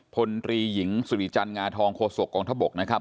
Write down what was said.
พลตรีหญิงสุริจันทร์งาทองโฆษกองทบกนะครับ